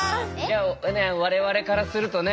我々からするとね